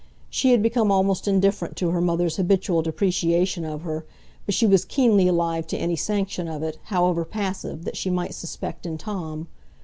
She had become almost indifferent to her mother's habitual depreciation of her, but she was keenly alive to any sanction of it, however passive, that she might suspect in Tom.